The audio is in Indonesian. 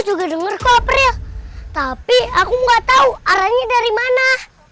juga denger kapril tapi aku enggak tahu arahnya dari mana